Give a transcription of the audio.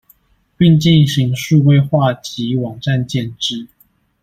並進行數位化及網站建置